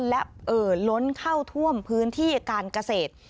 และเอ่อล้นเข้าท่วมพื้นที่การเกษตร